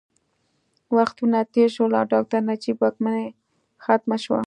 وختونه تېر شول او ډاکټر نجیب واکمني ختمه شوه